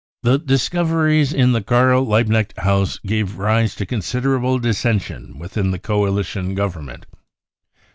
u The discoveries in the Karl Liebknecht House gave rise to considerable dissension within the Coalition Govern ment.